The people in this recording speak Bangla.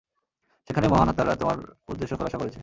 সেখানে মহান আত্মারা তোমার উদ্দেশ্য খোলাসা করেছে।